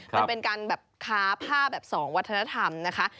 มันเป็นการแบบค้าผ้าแบบสองวัฒนธรรมนะคะ